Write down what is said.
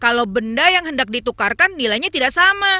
kalau benda yang hendak ditukarkan nilainya tidak sama